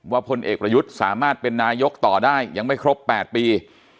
พลเอกประยุทธ์สามารถเป็นนายกต่อได้ยังไม่ครบ๘ปี